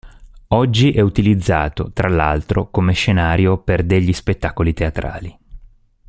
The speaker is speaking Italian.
Oggi è utilizzato, tra l'altro, come scenario per degli spettacoli teatrali.